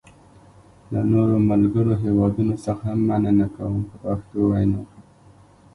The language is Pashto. له نورو ملګرو هېوادونو څخه هم مننه کوم په پښتو وینا.